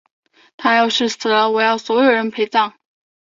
她要是死了，我要所有人陪葬！